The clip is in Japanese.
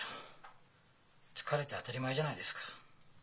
疲れて当たり前じゃないですか。